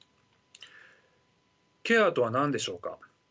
ケアとは何でしょうか。